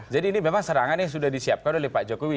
ini memang serangan yang sudah disiapkan oleh pak jokowi